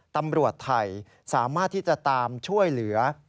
ตำรวจไทยสามารถที่จะตามช่วยเหลือ